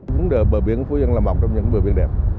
vấn đề bờ biển phú yên là một trong những bờ biển đẹp